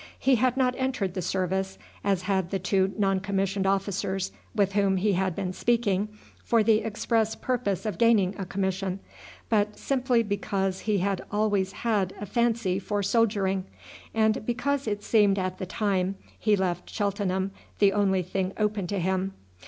He had not entered the service, as had the two non commissioned officers with whom he had been speaking, for the express purpose of gaining a commission, but simply because he had always had a fancy for soldiering, and because it seemed at the time he left Cheltenham the only thing open to him.